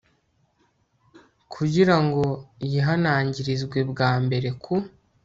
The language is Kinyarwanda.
kugira ngo yihanangirizwe bwa mbere ku